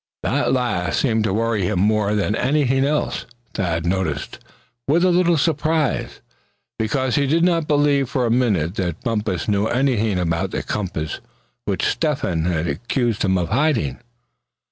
That last seemed to worry him more than anything else, Thad noticed, with a little surprise; because he did not believe for a minute that Bumpus knew anything about the compass which Step hen accused him of hiding.